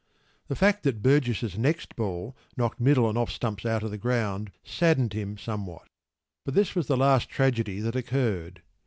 p> The fact that Burgess’s next ball knocked middle and off stumps out of the ground saddened him somewhat; but this was the last tragedy that occurred.